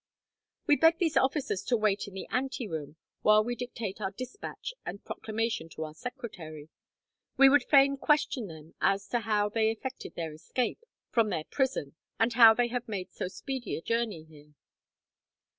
"We beg these officers to wait in the anteroom, while we dictate our despatch and proclamation to our secretary. We would fain question them as to how they effected their escape from their prison, and how they have made so speedy a journey here."